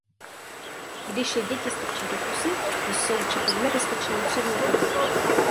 Když je děti strčí do pusy, jsou čipy nebezpečným předmětem.